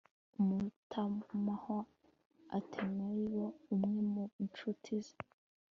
amutumaho atenobiyo, umwe mu ncuti ze